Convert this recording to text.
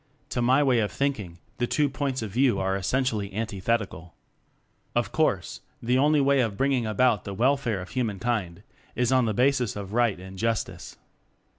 To my way of thinking the two points of view are essentially antithetical. Of course, the only way of bring ing about the welfare of human kind is on the basis of right and justice.